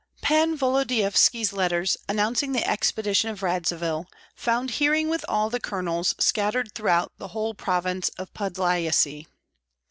Pan Volodyovski's letters, announcing the expedition of Radzivill, found hearing with all the colonels, scattered throughout the whole province of Podlyasye.